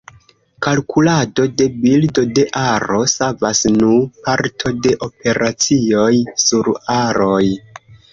Kalkulado de bildo de aro savas nu parto de operacioj sur aroj.